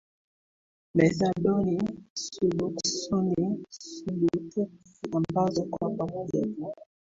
methadoni suboksoni subuteksi ambazo kwa pamoja za